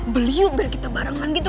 beli yuk biar kita barengan gitu